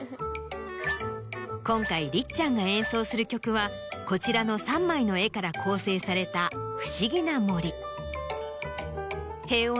今回りっちゃんが演奏する曲はこちらの３枚の絵から構成された『ふしぎな森』。